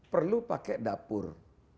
perlu pakai dapur